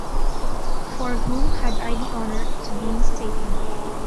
For whom had I the honour to be mistaken?